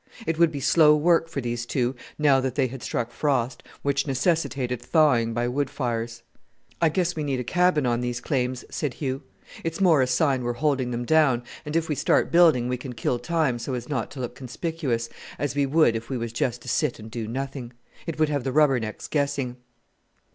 It would be slow work for these two, now that they had struck frost, which necessitated thawing by wood fires. "I guess we need a cabin on these claims," said Hugh. "It's more a sign we're holding them down, and if we start building it we can kill time so as not to look conspicuous, as we would if we was just to sit and do nothing. It would have the rubber necks guessing."